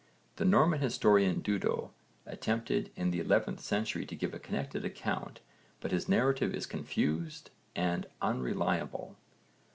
The Norman historian Dudo attempted in the 11th century to give a connected account but his narrative is confused and unreliable.